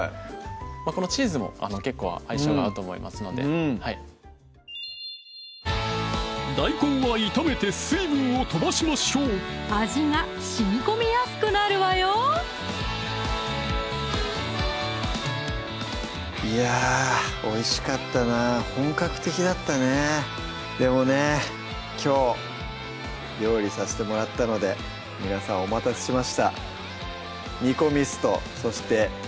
このチーズも結構相性が合うと思いますので大根は炒めて水分を飛ばしましょう味が染み込みやすくなるわよいやおいしかったなぁ本格的だったねでもねきょう料理させてもらったので皆さんお待たせしました